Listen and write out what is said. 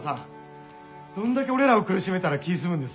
どんだけ俺らを苦しめたら気ぃ済むんです？